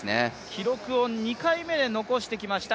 記録を２回目で残してきました